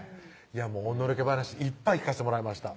おのろけ話いっぱい聞かせてもらいました